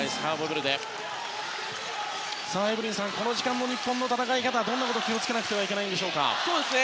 エブリンさん、この時間も日本の戦い方どんなことに気を付けなくてはいけないでしょうか。